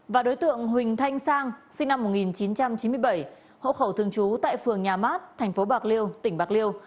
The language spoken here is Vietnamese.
và đối tượng huỳnh thanh sang sinh năm một nghìn chín trăm chín mươi bảy hộ khẩu thường trú tại phường nhà mát tp bạc liêu tỉnh bạc liêu